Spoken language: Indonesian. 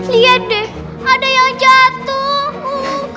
lihat deh ada yang jatuh